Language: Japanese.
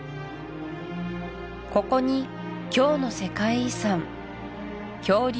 ここに今日の世界遺産恐竜